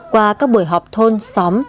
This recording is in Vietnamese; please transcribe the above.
qua các buổi họp thôn xóm